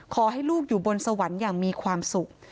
ขอให้ลูกอยู่บนสวรรค์อย่างมีความสุข